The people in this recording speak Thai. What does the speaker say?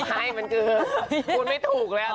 ใช่มันคือคุณไม่ถูกเลย